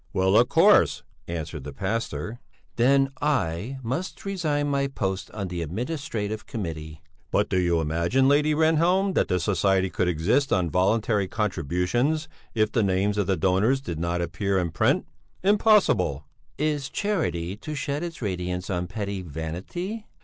"Well, of course," answered the pastor. "Then I must resign my post on the Administrative Committee." "But do you imagine, Lady Rehnhjelm, that the society could exist on voluntary contributions if the names of the donors did not appear in print? Impossible!" "Is charity to shed its radiance on petty vanity?"